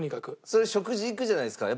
それ食事行くじゃないですか。